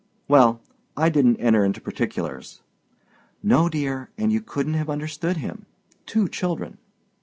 "Well, I didn't enter into particulars." "No, dear, and you couldn't have understood him. Two children."